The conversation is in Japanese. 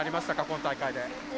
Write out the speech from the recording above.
今大会で。